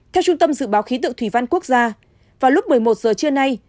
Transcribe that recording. theo trung tâm dự báo khí tượng thủy văn quốc gia vào lúc một mươi một giờ trưa nay